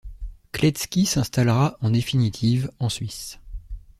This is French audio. Kletzki s'installera, en définitive, en Suisse.